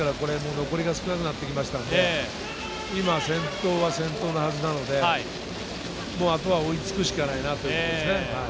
残り少なくなってきましたので今、先頭のはずなので、あとは追いつくしかないですね。